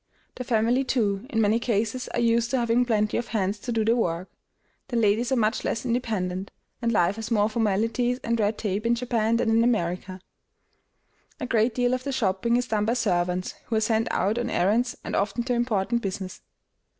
The family, too, in many cases are used to having plenty of hands to do the work; the ladies are much less independent, and life has more formalities and red tape in Japan than in America. A great deal of the shopping is done by servants, who are sent out on errands and often do important business.